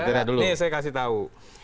ini saya kasih tau